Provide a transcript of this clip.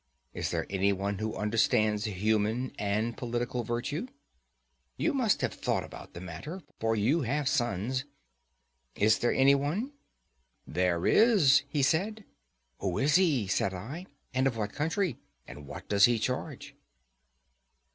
Is there any one who understands human and political virtue? You must have thought about the matter, for you have sons; is there any one?" "There is," he said. "Who is he?" said I; "and of what country? and what does he charge?"